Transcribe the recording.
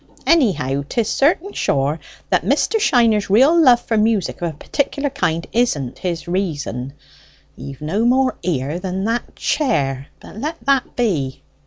Anyhow 'tis certain sure that Mr. Shiner's real love for music of a particular kind isn't his reason. He've no more ear than that chair. But let that be."